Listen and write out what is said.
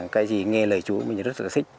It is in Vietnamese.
cái gì nghe lời chúa mình rất là thích